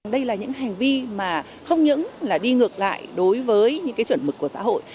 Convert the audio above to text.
đây là những hành vi mà không những là đi ngược lại đối với những cái chuẩn mực của xã hội